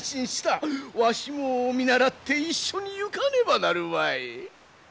わしも見習って一緒に行かねばなるまい。